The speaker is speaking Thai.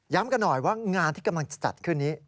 กันหน่อยว่างานที่กำลังจะจัดขึ้นนี้